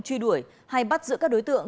truy đuổi hay bắt giữ các đối tượng